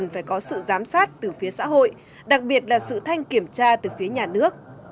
tự giám sát từ phía xã hội đặc biệt là sự thanh kiểm tra từ phía nhà nước